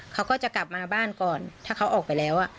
เขาก็จะกลับมาบ้านก่อนถ้าเขาออกไปแล้ว